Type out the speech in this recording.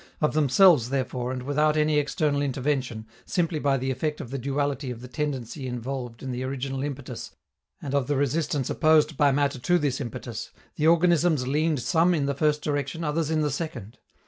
Of themselves, therefore, and without any external intervention, simply by the effect of the duality of the tendency involved in the original impetus and of the resistance opposed by matter to this impetus, the organisms leaned some in the first direction, others in the second.